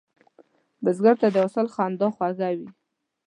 بزګر ته د حاصل خندا خوږه وي